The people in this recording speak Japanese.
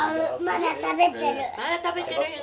まだ食べてる。